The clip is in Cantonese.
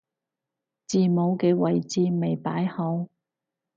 字母嘅位置未擺好